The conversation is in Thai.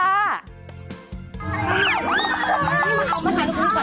เอามาทานลูกคุณก่อน